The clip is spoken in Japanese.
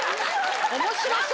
面白そう。